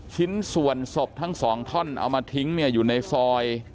ชิ้นส่วนศพทั้งสองท่อนเอามาทิ้งเนี่ยอยู่ในซอย